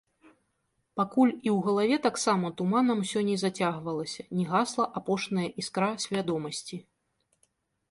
Пакуль і ў галаве таксама туманам усё не зацягвалася, не гасла апошняя іскра свядомасці.